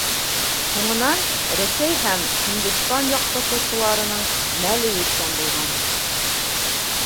Һуңынан Рәсәй һәм Һиндостан яҡтыртыусыларының мәле еткән булған.